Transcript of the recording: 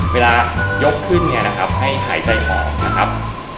เวลายกขึ้นเนี่ยนะครับให้หายใจออกนะครับ